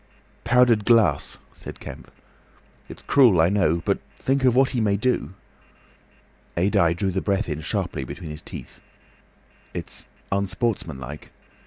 "Powdered glass," said Kemp. "It's cruel, I know. But think of what he may do!" Adye drew the air in sharply between his teeth. "It's unsportsmanlike.